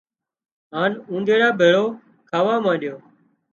هانَ اونۮيڙا ڀيڙو کاوا مانڏيو